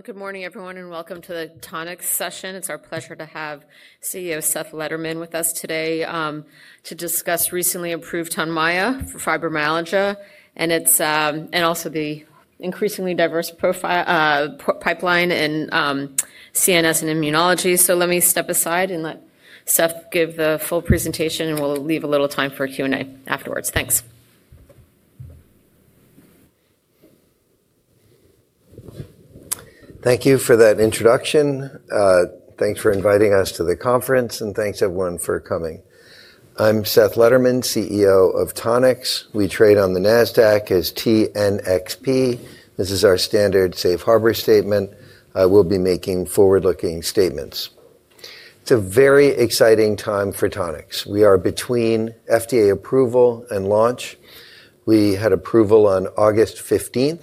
Good morning, everyone, and welcome to the Tonix session. It's our pleasure to have CEO Seth Lederman with us today to discuss recently approved Tonmya for fibromyalgia and also the increasingly diverse pipeline in CNS and immunology. Let me step aside and let Seth give the full presentation, and we'll leave a little time for Q&A afterwards. Thanks. Thank you for that introduction. Thanks for inviting us to the conference, and thanks everyone for coming. I'm Seth Lederman, CEO of Tonix. We trade on the NASDAQ as TNXP. This is our standard safe harbor statement. We'll be making forward-looking statements. It's a very exciting time for Tonix. We are between FDA approval and launch. We had approval on August 15,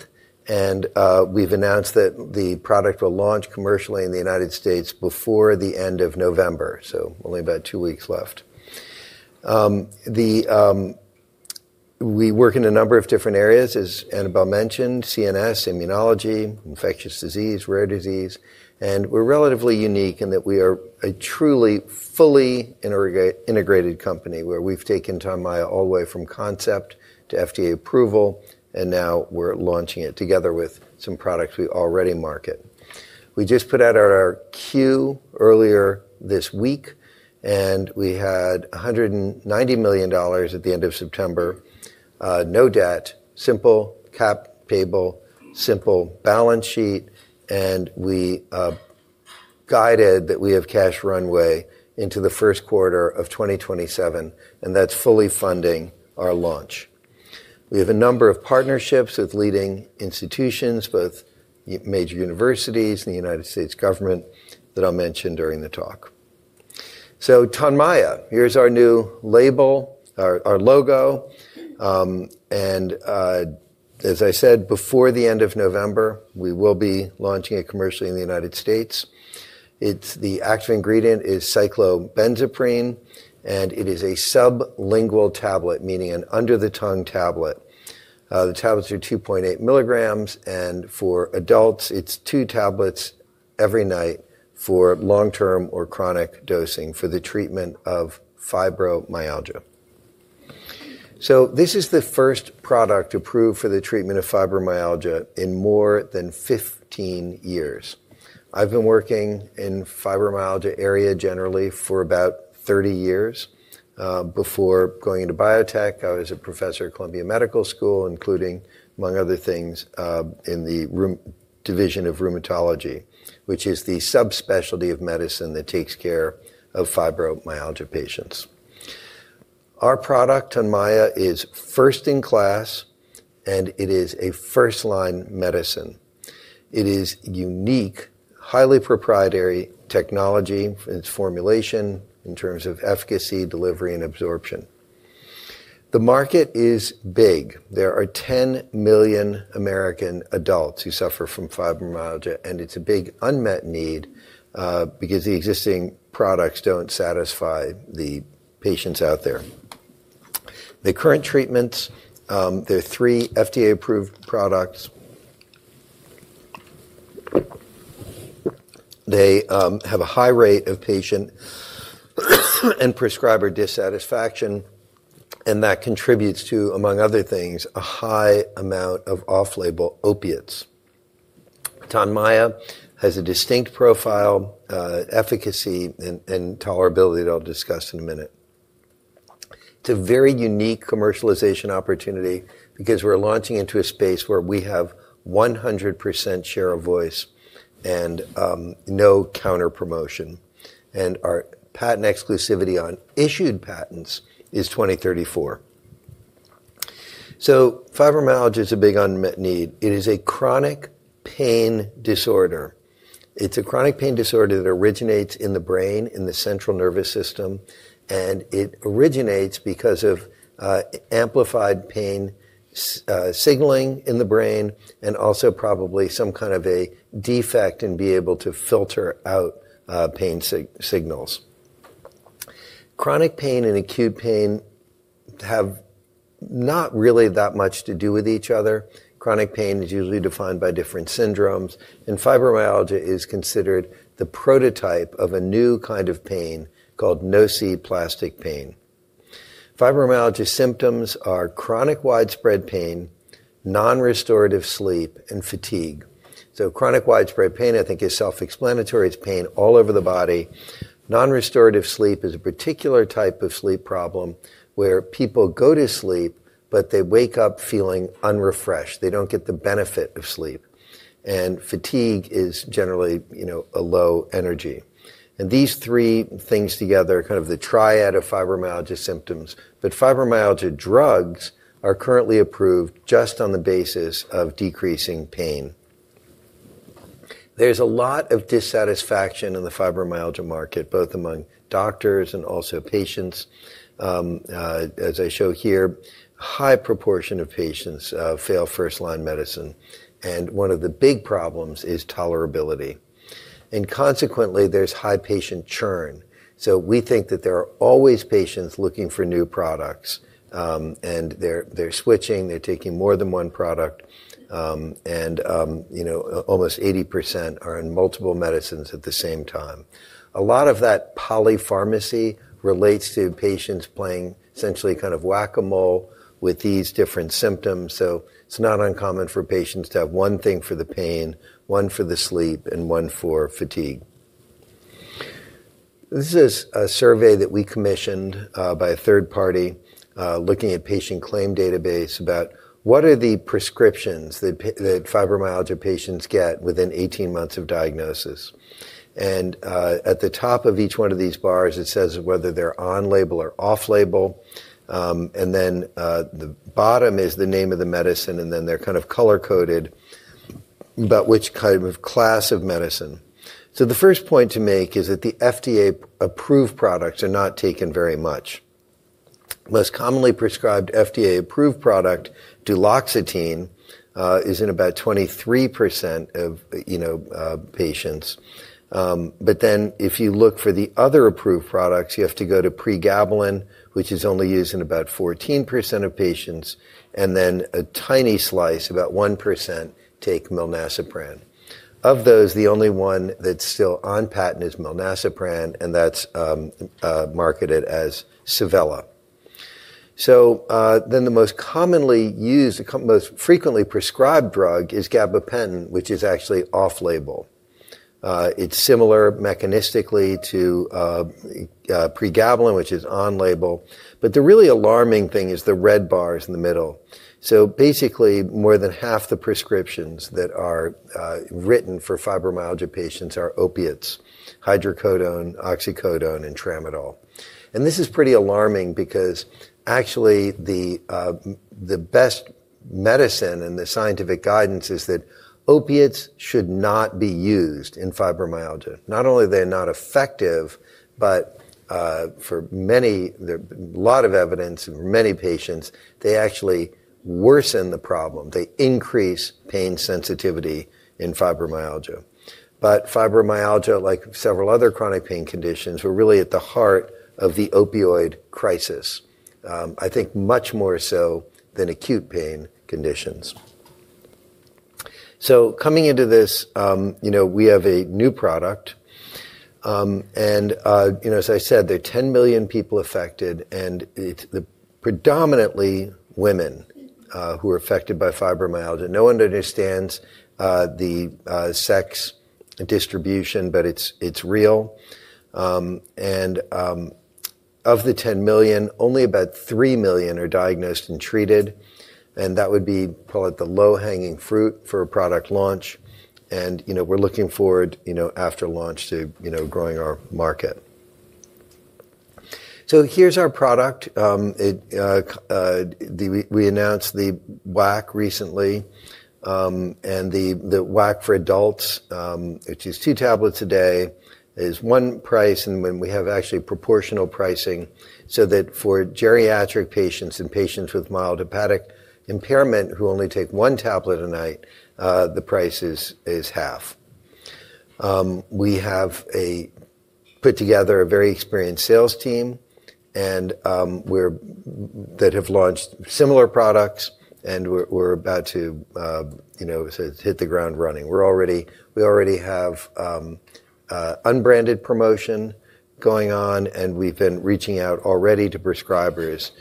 and we've announced that the product will launch commercially in the United States before the end of November, so only about two weeks left. We work in a number of different areas, as Annabel mentioned: CNS, immunology, infectious disease, rare disease. We are relatively unique in that we are a truly fully integrated company where we've taken Tonmya all the way from concept to FDA approval, and now we're launching it together with some products we already market. We just put out our Q earlier this week, and we had $190 million at the end of September, no debt, simple cap table, simple balance sheet, and we guided that we have cash runway into the first quarter of 2027, and that's fully funding our launch. We have a number of partnerships with leading institutions, both major universities and the United States government that I'll mention during the talk. Tonmya, here's our new label, our logo. As I said, before the end of November, we will be launching it commercially in the United States. The active ingredient is cyclobenzaprine, and it is a sublingual tablet, meaning an under-the-tongue tablet. The tablets are 2.8 mg, and for adults, it's two tablets every night for long-term or chronic dosing for the treatment of fibromyalgia. This is the first product approved for the treatment of fibromyalgia in more than 15 years. I've been working in the fibromyalgia area generally for about 30 years. Before going into biotech, I was a professor at Columbia University Medical School, including, among other things, in the Division of Rheumatology, which is the subspecialty of medicine that takes care of fibromyalgia patients. Our product, Tonmya, is first in class, and it is a first-line medicine. It is unique, highly proprietary technology in its formulation in terms of efficacy, delivery, and absorption. The market is big. There are 10 million American adults who suffer from fibromyalgia, and it's a big unmet need because the existing products don't satisfy the patients out there. The current treatments, there are three FDA-approved products. They have a high rate of patient and prescriber dissatisfaction, and that contributes to, among other things, a high amount of off-label opiates. Tonmya has a distinct profile, efficacy, and tolerability that I'll discuss in a minute. It's a very unique commercialization opportunity because we're launching into a space where we have a 100% share of voice and no counter-promotion, and our patent exclusivity on issued patents is 2034. Fibromyalgia is a big unmet need. It is a chronic pain disorder. It's a chronic pain disorder that originates in the brain, in the central nervous system, and it originates because of amplified pain signaling in the brain and also probably some kind of a defect in being able to filter out pain signals. Chronic pain and acute pain have not really that much to do with each other. Chronic pain is usually defined by different syndromes, and fibromyalgia is considered the prototype of a new kind of pain called nociplastic pain. Fibromyalgia symptoms are chronic widespread pain, non-restorative sleep, and fatigue. Chronic widespread pain, I think, is self-explanatory. It's pain all over the body. Non-restorative sleep is a particular type of sleep problem where people go to sleep, but they wake up feeling unrefreshed. They don't get the benefit of sleep. Fatigue is generally a low energy. These three things together are kind of the triad of fibromyalgia symptoms. Fibromyalgia drugs are currently approved just on the basis of decreasing pain. There's a lot of dissatisfaction in the fibromyalgia market, both among doctors and also patients. As I show here, a high proportion of patients fail first-line medicine. One of the big problems is tolerability. Consequently, there's high patient churn. We think that there are always patients looking for new products, and they're switching. They're taking more than one product, and almost 80% are on multiple medicines at the same time. A lot of that polypharmacy relates to patients playing essentially kind of whack-a-mole with these different symptoms. It's not uncommon for patients to have one thing for the pain, one for the sleep, and one for fatigue. This is a survey that we commissioned by a third party looking at patient claim database about what are the prescriptions that fibromyalgia patients get within 18 months of diagnosis. At the top of each one of these bars, it says whether they're on label or off label. The bottom is the name of the medicine, and then they're kind of color-coded about which kind of class of medicine. The first point to make is that the FDA-approved products are not taken very much. Most commonly prescribed FDA-approved product, duloxetine, is in about 23% of patients. If you look for the other approved products, you have to go to pregabalin, which is only used in about 14% of patients, and then a tiny slice, about 1%, take milnacipran. Of those, the only one that's still on patent is milnacipran, and that's marketed as Savella. The most commonly used, the most frequently prescribed drug is gabapentin, which is actually off label. It's similar mechanistically to pregabalin, which is on label. The really alarming thing is the red bars in the middle. Basically, more than half the prescriptions that are written for fibromyalgia patients are opiates: hydrocodone, oxycodone, and tramadol. This is pretty alarming because actually the best medicine and the scientific guidance is that opiates should not be used in fibromyalgia. Not only are they not effective, but for many, there's a lot of evidence for many patients, they actually worsen the problem. They increase pain sensitivity in fibromyalgia. Fibromyalgia, like several other chronic pain conditions, are really at the heart of the opioid crisis, I think much more so than acute pain conditions. Coming into this, we have a new product. As I said, there are 10 million people affected, and it's predominantly women who are affected by fibromyalgia. No one understands the sex distribution, but it's real. Of the 10 million, only about 3 million are diagnosed and treated. That would be, call it the low-hanging fruit for a product launch. We're looking forward after launch to growing our market. Here's our product. We announced the WAC recently, and the WAC for adults, which is two tablets a day, is one price, and we have actually proportional pricing so that for geriatric patients and patients with mild hepatic impairment who only take one tablet a night, the price is half. We have put together a very experienced sales team, and we're that have launched similar products, and we're about to hit the ground running. We already have unbranded promotion going on, and we've been reaching out already to prescribers,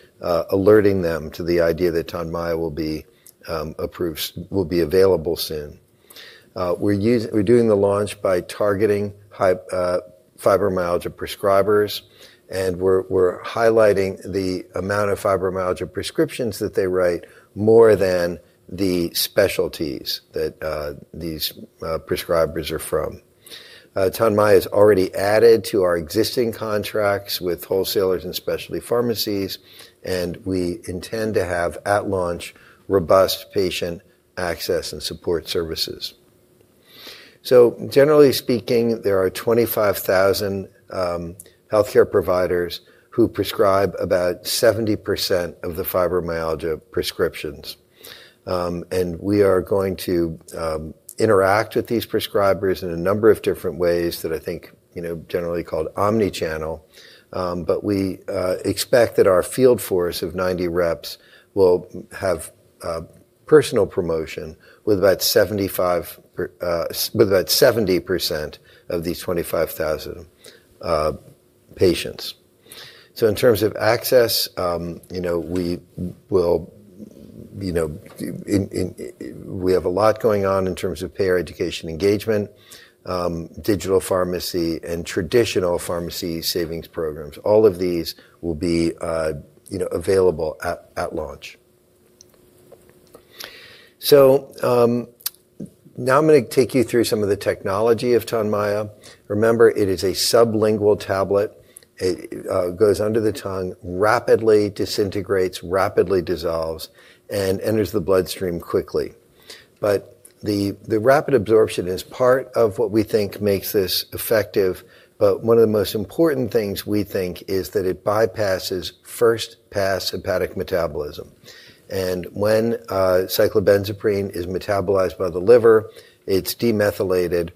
alerting them to the idea that Tonmya will be available soon. We're doing the launch by targeting fibromyalgia prescribers, and we're highlighting the amount of fibromyalgia prescriptions that they write more than the specialties that these prescribers are from. Tonmya is already added to our existing contracts with wholesalers and specialty pharmacies, and we intend to have at launch robust patient access and support services. Generally speaking, there are 25,000 healthcare providers who prescribe about 70% of the fibromyalgia prescriptions. We are going to interact with these prescribers in a number of different ways that I think generally are called omnichannel. We expect that our field force of 90 reps will have personal promotion with about 70% of these 25,000 prescribers. In terms of access, we have a lot going on in terms of payer education engagement, digital pharmacy, and traditional pharmacy savings programs. All of these will be available at launch. Now I'm going to take you through some of the technology of Tonmya. Remember, it is a sublingual tablet. It goes under the tongue, rapidly disintegrates, rapidly dissolves, and enters the bloodstream quickly. The rapid absorption is part of what we think makes this effective. One of the most important things we think is that it bypasses first-pass hepatic metabolism. When cyclobenzaprine is metabolized by the liver, it's demethylated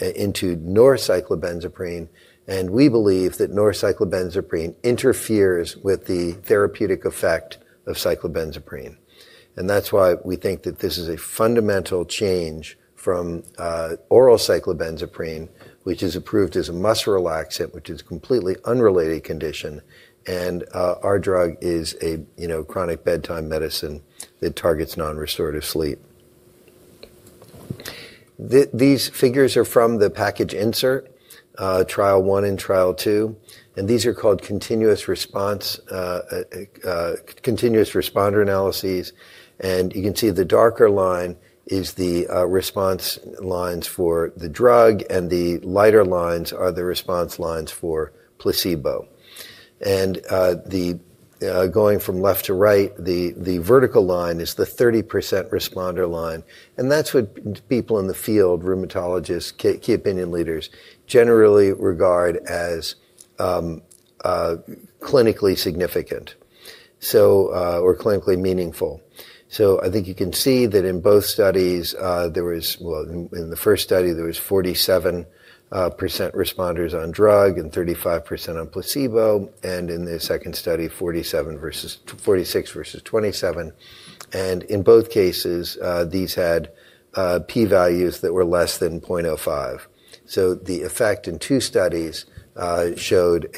into norcyclobenzaprine, and we believe that norcyclobenzaprine interferes with the therapeutic effect of cyclobenzaprine. That's why we think that this is a fundamental change from oral cyclobenzaprine, which is approved as a muscle relaxant, which is a completely unrelated condition. Our drug is a chronic bedtime medicine that targets non-restorative sleep. These figures are from the package insert, trial one and trial two. These are called continuous responder analyses. You can see the darker line is the response lines for the drug, and the lighter lines are the response lines for placebo. Going from left to right, the vertical line is the 30% responder line. That is what people in the field, rheumatologists, key opinion leaders generally regard as clinically significant or clinically meaningful. I think you can see that in both studies, there was, in the first study, 47% responders on drug and 35% on placebo. In the second study, 46% versus 27%. In both cases, these had p-values that were less than 0.05. The effect in two studies showed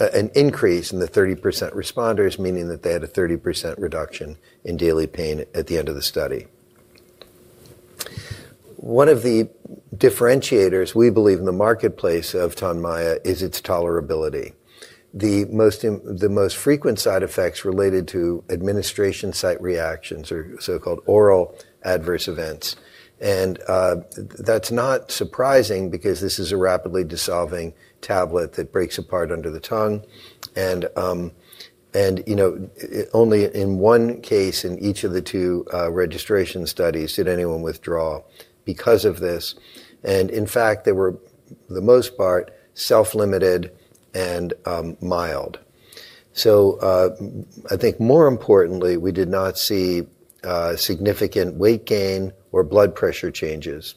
an increase in the 30% responders, meaning that they had a 30% reduction in daily pain at the end of the study. One of the differentiators, we believe, in the marketplace of Tonmya is its tolerability. The most frequent side effects related to administration site reactions are so-called oral adverse events. That is not surprising because this is a rapidly dissolving tablet that breaks apart under the tongue. Only in one case in each of the two registration studies did anyone withdraw because of this. In fact, they were, for the most part, self-limited and mild. I think more importantly, we did not see significant weight gain or blood pressure changes.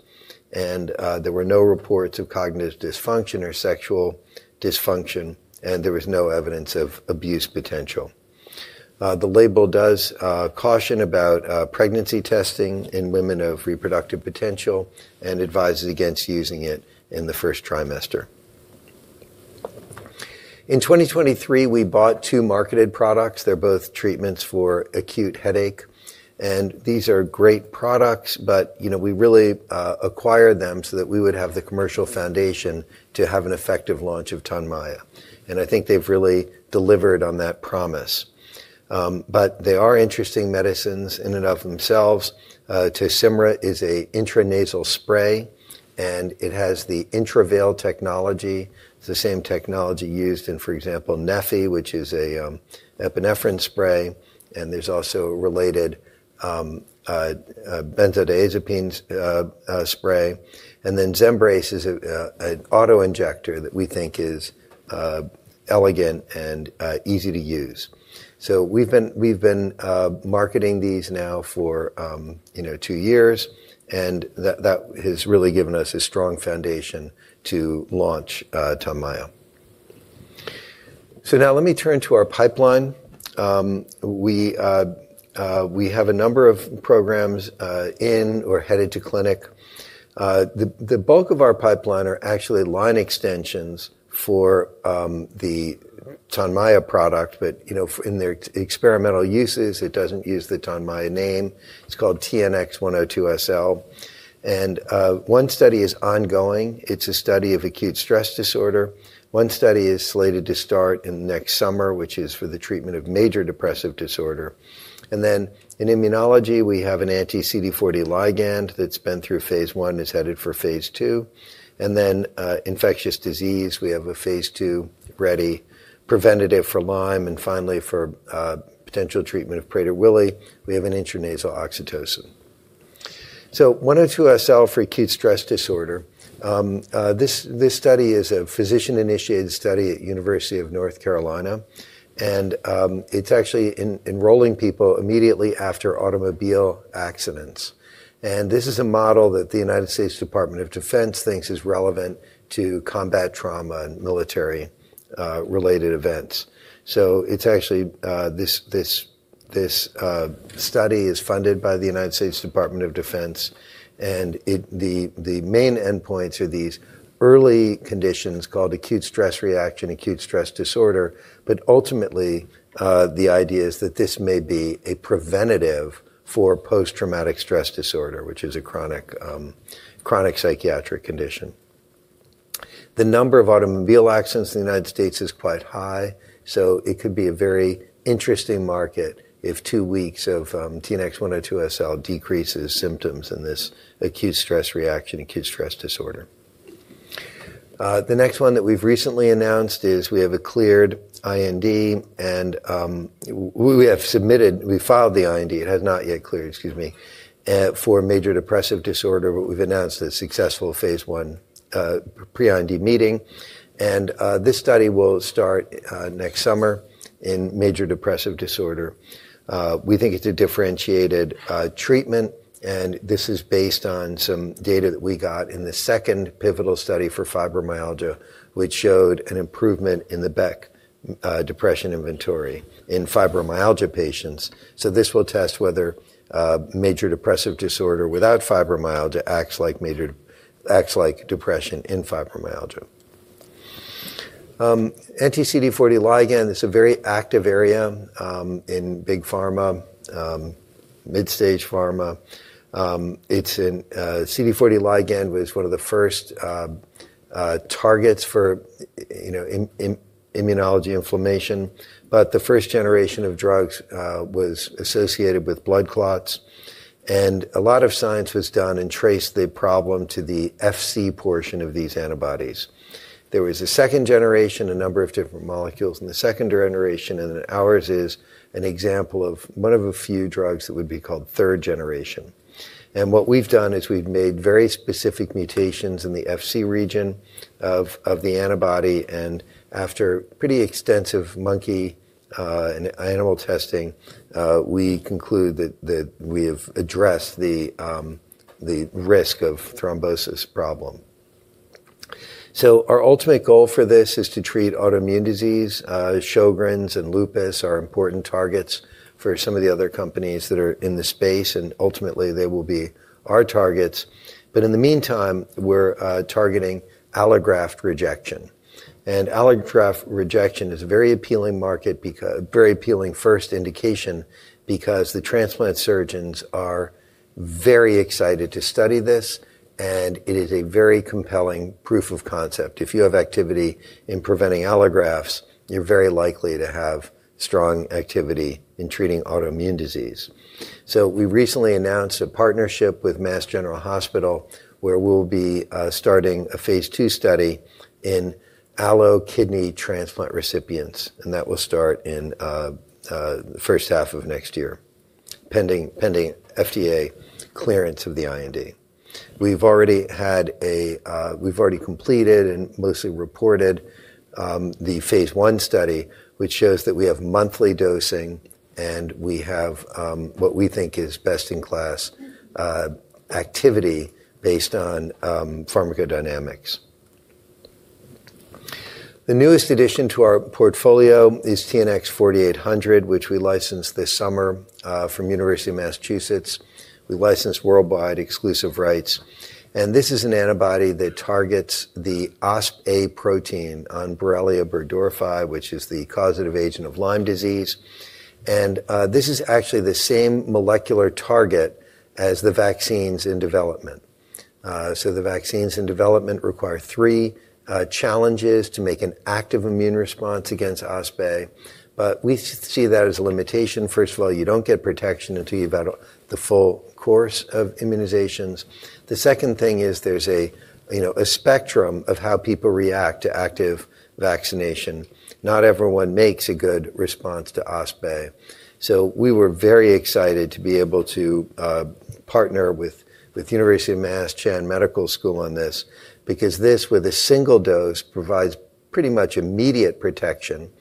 There were no reports of cognitive dysfunction or sexual dysfunction, and there was no evidence of abuse potential. The label does caution about pregnancy testing in women of reproductive potential and advises against using it in the first trimester. In 2023, we bought two marketed products. They are both treatments for acute headache. These are great products, but we really acquired them so that we would have the commercial foundation to have an effective launch of Tonmya. I think they have really delivered on that promise. But they are interesting medicines in and of themselves. Tosymra is an intranasal spray, and it has the Intravel technology. It's the same technology used in, for example, Nephri, which is an epinephrine spray. And there's also a related benzodiazepine spray. Zembrace is an autoinjector that we think is elegant and easy to use. We've been marketing these now for two years, and that has really given us a strong foundation to launch Tonmya. Now let me turn to our pipeline. We have a number of programs in or headed to clinic. The bulk of our pipeline are actually line extensions for the Tonmya product. In their experimental uses, it doesn't use the Tonmya name. It's called TNX-102 SL. One study is ongoing. It's a study of acute stress disorder. One study is slated to start in next summer, which is for the treatment of major depressive disorder. In immunology, we have an anti-CD40 ligand that's been through phase one and is headed for phase two. In infectious disease, we have a phase two ready preventative for Lyme, and finally, for potential treatment of Prader-Willi, we have an intranasal oxytocin. 102SL for acute stress disorder. This study is a physician-initiated study at the University of North Carolina, and it's actually enrolling people immediately after automobile accidents. This is a model that the United States Department of Defense thinks is relevant to combat trauma and military-related events. This study is funded by the United States Department of Defense. The main endpoints are these early conditions called acute stress reaction, acute stress disorder. Ultimately, the idea is that this may be a preventative for post-traumatic stress disorder, which is a chronic psychiatric condition. The number of automobile accidents in the United States is quite high, so it could be a very interesting market if two weeks of TNX-102 SL decreases symptoms in this acute stress reaction, acute stress disorder. The next one that we've recently announced is we have a cleared IND, and we have submitted, we filed the IND. It has not yet cleared, excuse me, for major depressive disorder, but we've announced a successful phase one pre-IND meeting. This study will start next summer in major depressive disorder. We think it's a differentiated treatment, and this is based on some data that we got in the second pivotal study for fibromyalgia, which showed an improvement in the Beck Depression Inventory in fibromyalgia patients. This will test whether major depressive disorder without fibromyalgia acts like depression in fibromyalgia. Anti-CD40 ligand, it's a very active area in big pharma, mid-stage pharma. CD40 ligand was one of the first targets for immunology inflammation. The first generation of drugs was associated with blood clots. A lot of science was done and traced the problem to the FC portion of these antibodies. There was a second generation, a number of different molecules, and the second generation, and ours is an example of one of a few drugs that would be called third generation. What we've done is we've made very specific mutations in the FC region of the antibody. After pretty extensive monkey and animal testing, we conclude that we have addressed the risk of thrombosis problem. Our ultimate goal for this is to treat autoimmune disease. Sjogren's and lupus are important targets for some of the other companies that are in the space, and ultimately, they will be our targets. In the meantime, we're targeting allograft rejection. Allograft rejection is a very appealing market, very appealing first indication, because the transplant surgeons are very excited to study this, and it is a very compelling proof of concept. If you have activity in preventing allografts, you're very likely to have strong activity in treating autoimmune disease. We recently announced a partnership with Mass General Hospital where we'll be starting a phase II study in allograft kidney transplant recipients. That will start in the first half of next year, pending FDA clearance of the IND. We've already completed and mostly reported the phase one study, which shows that we have monthly dosing and we have what we think is best-in-class activity based on pharmacodynamics. The newest addition to our portfolio is TNX-4800, which we licensed this summer from the University of Massachusetts. We licensed worldwide exclusive rights. This is an antibody that targets the OspA protein on Borrelia burgdorferi, which is the causative agent of Lyme disease. This is actually the same molecular target as the vaccines in development. The vaccines in development require three challenges to make an active immune response against OspA. We see that as a limitation. First of all, you don't get protection until you've had the full course of immunizations. The second thing is there's a spectrum of how people react to active vaccination. Not everyone makes a good response to OspA. We were very excited to be able to partner with the University of Massachusetts Chan Medical School on this because this, with a single dose, provides pretty much immediate protection.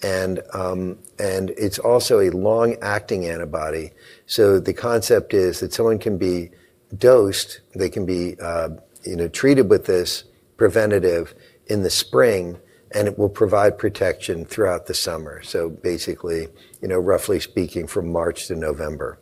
It is also a long-acting antibody. The concept is that someone can be dosed, they can be treated with this preventative in the spring, and it will provide protection throughout the summer. Basically, roughly speaking, from March to November.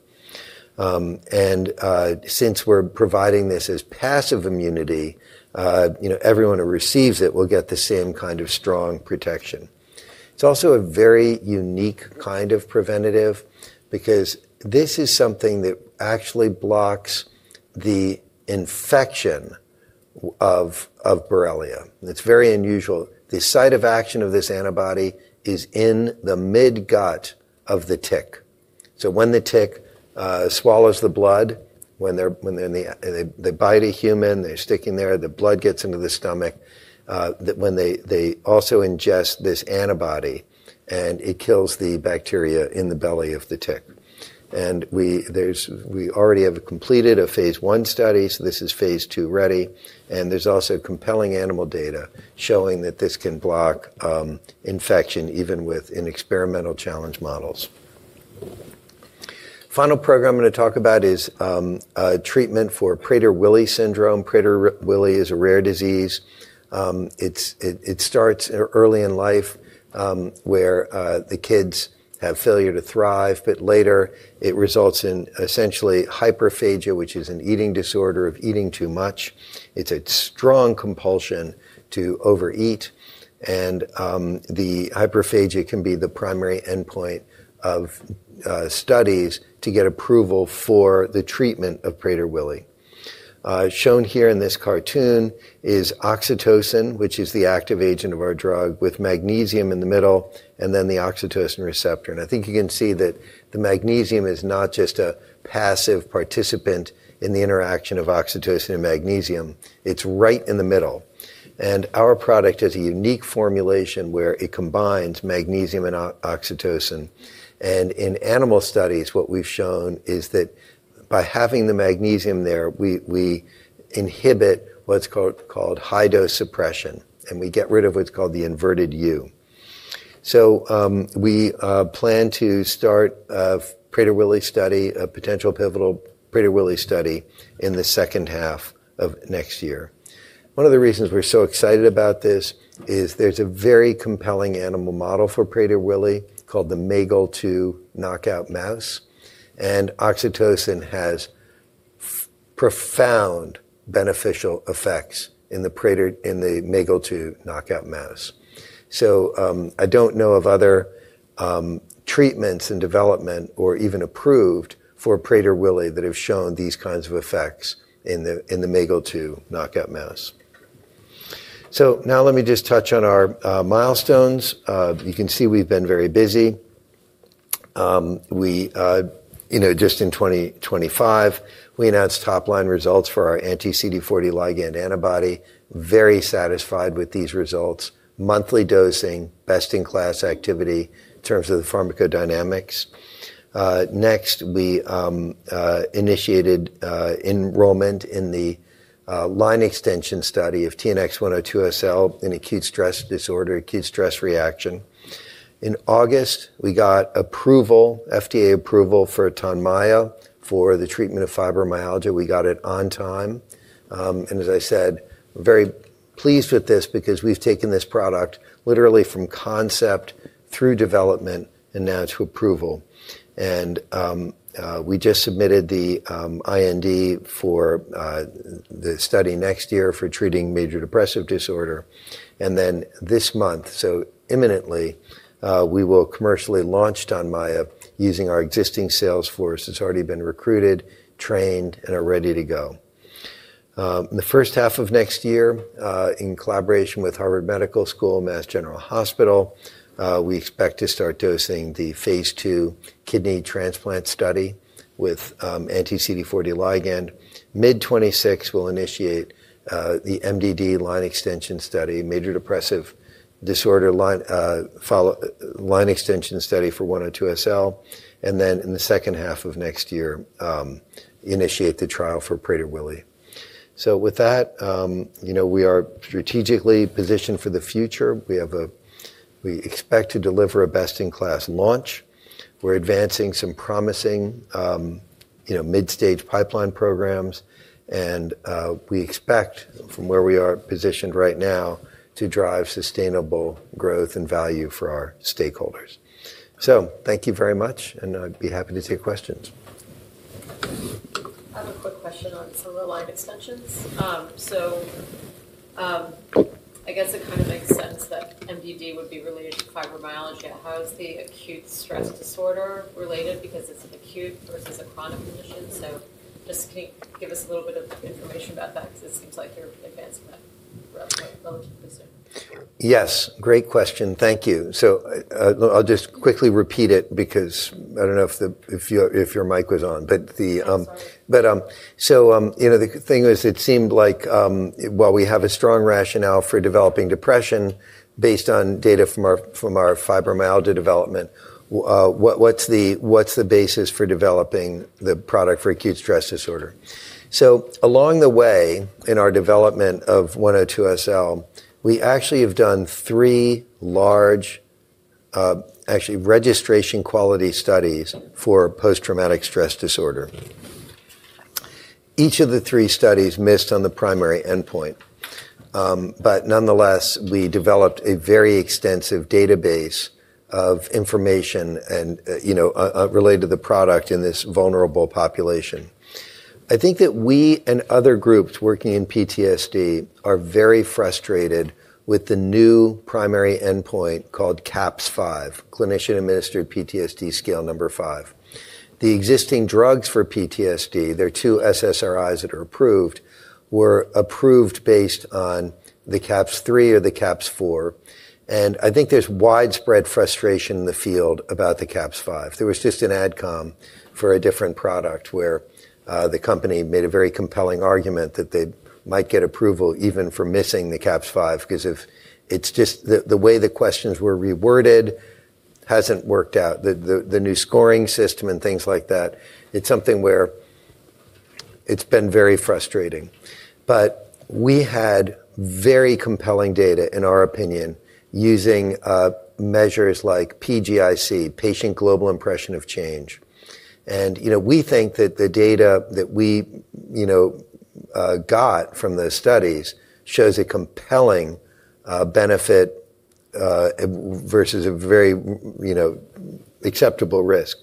Since we are providing this as passive immunity, everyone who receives it will get the same kind of strong protection. It is also a very unique kind of preventative because this is something that actually blocks the infection of Borrelia. It is very unusual. The site of action of this antibody is in the mid-gut of the tick. When the tick swallows the blood, when they bite a human, they're sticking there, the blood gets into the stomach, they also ingest this antibody, and it kills the bacteria in the belly of the tick. We already have completed a phase one study, so this is phase two ready. There is also compelling animal data showing that this can block infection even with in experimental challenge models. Final program I'm going to talk about is treatment for Prader-Willi syndrome. Prader-Willi is a rare disease. It starts early in life where the kids have failure to thrive, but later it results in essentially hyperphagia, which is an eating disorder of eating too much. It's a strong compulsion to overeat. The hyperphagia can be the primary endpoint of studies to get approval for the treatment of Prader-Willi. Shown here in this cartoon is oxytocin, which is the active agent of our drug with magnesium in the middle, and then the oxytocin receptor. I think you can see that the magnesium is not just a passive participant in the interaction of oxytocin and magnesium. It is right in the middle. Our product has a unique formulation where it combines magnesium and oxytocin. In animal studies, what we have shown is that by having the magnesium there, we inhibit what is called high-dose suppression, and we get rid of what is called the inverted-U. We plan to start a Prader-Willi study, a potential pivotal Prader-Willi study in the second half of next year. One of the reasons we are so excited about this is there is a very compelling animal model for Prader-Willi called the MAGL2 knockout mouse. Oxytocin has profound beneficial effects in the MAGL2 knockout mouse. I don't know of other treatments in development or even approved for Prader-Willi that have shown these kinds of effects in the MAGL2 knockout mouse. Let me just touch on our milestones. You can see we've been very busy. Just in 2025, we announced top-line results for our anti-CD40 ligand antibody. Very satisfied with these results. Monthly dosing, best-in-class activity in terms of the pharmacodynamics. Next, we initiated enrollment in the line extension study of TNX-102 SL in acute stress disorder, acute stress reaction. In August, we got FDA approval for Tonmya for the treatment of fibromyalgia. We got it on time. As I said, very pleased with this because we've taken this product literally from concept through development and now to approval. We just submitted the IND for the study next year for treating major depressive disorder. This month, so imminently, we will commercially launch Tonmya using our existing sales force that's already been recruited, trained, and are ready to go. In the first half of next year, in collaboration with Harvard Medical School and Mass General Hospital, we expect to start dosing the phase two kidney transplant study with anti-CD40 ligand. Mid-2026, we'll initiate the major depressive disorder line extension study for 102 SL. In the second half of next year, initiate the trial for Prader-Willi. We are strategically positioned for the future. We expect to deliver a best-in-class launch. We're advancing some promising mid-stage pipeline programs. We expect, from where we are positioned right now, to drive sustainable growth and value for our stakeholders. Thank you very much, and I'd be happy to take questions. I have a quick question on some of the line extensions. I guess it kind of makes sense that MDD would be related to fibromyalgia. How is the acute stress disorder related? Because it's an acute versus a chronic condition. Can you give us a little bit of information about Yes. Great question. Thank you. I'll just quickly repeat it because I don't know if your mic was on. The thing was it seemed like, while we have a strong rationale for developing depression based on data from our fibromyalgia development, what's the basis for developing the product for acute stress disorder? Along the way in our development of 102 SL, we actually have done three large, actually registration quality studies for post-traumatic stress disorder. Each of the three studies missed on the primary endpoint. Nonetheless, we developed a very extensive database of information related to the product in this vulnerable population. I think that we and other groups working in PTSD are very frustrated with the new primary endpoint called CAPS-5, Clinician-Administered PTSD Scale Number 5. The existing drugs for PTSD, there are two SSRIs that are approved, were approved based on the CAPS-3 or the CAPS-4. I think there's widespread frustration in the field about the CAPS-5. There was just an adcom for a different product where the company made a very compelling argument that they might get approval even for missing the CAPS-5 because the way the questions were reworded has not worked out. The new scoring system and things like that, it is something where it has been very frustrating. We had very compelling data, in our opinion, using measures like PGIC, Patient Global Impression of Change. We think that the data that we got from the studies shows a compelling benefit versus a very acceptable risk.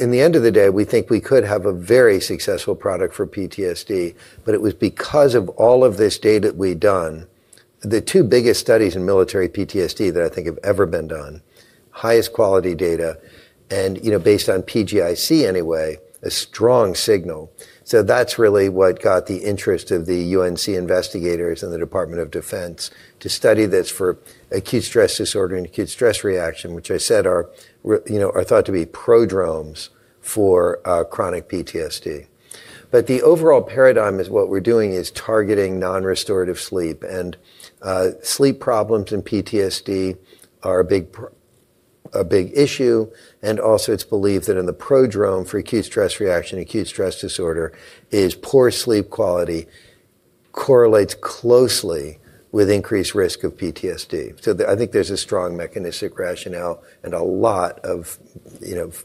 In the end of the day, we think we could have a very successful product for PTSD. It was because of all of this data that we have done, the two biggest studies in military PTSD that I think have ever been done, highest quality data, and based on PGIC anyway, a strong signal. That's really what got the interest of the UNC investigators and the Department of Defense to study this for acute stress disorder and acute stress reaction, which I said are thought to be prodromes for chronic PTSD. The overall paradigm is what we're doing is targeting non-restorative sleep. Sleep problems in PTSD are a big issue. Also, it's believed that in the prodrome for acute stress reaction, acute stress disorder, poor sleep quality correlates closely with increased risk of PTSD. I think there's a strong mechanistic rationale and a lot of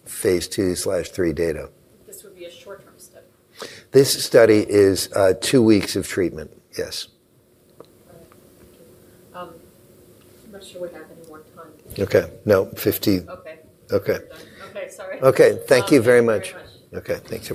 phase two/three data. This study is two weeks of treatment. Yes. Okay. Number 50. Okay. Okay. Okay. Sorry. Okay. Thank you very much. Thank you very much. Okay. Thanks for.